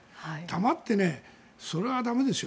黙ってね、それは駄目ですよ。